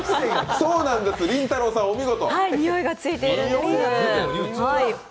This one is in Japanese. そうなんです、りんたろーさん、お見事。